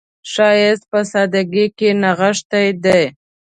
ښایست په سادګۍ کې نغښتی دی